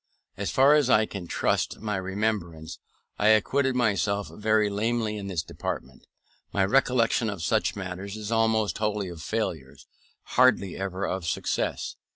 As far as I can trust my remembrance, I acquitted myself very lamely in this department; my recollection of such matters is almost wholly of failures, hardly ever of success.